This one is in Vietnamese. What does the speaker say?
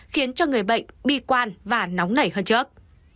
khiến cho người bệnh bi quan và nóng nảy hơn trước